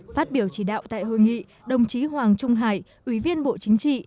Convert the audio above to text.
phát biểu chỉ đạo tại hội nghị đồng chí hoàng trung hải ủy viên bộ chính trị